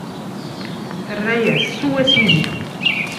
Terra-yas: Sew, a Sidi.